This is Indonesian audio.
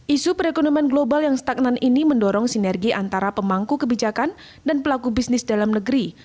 isu perekonomian global yang stagnan ini mendorong sinergi antara pemangku kebijakan dan pelaku bisnis dalam negeri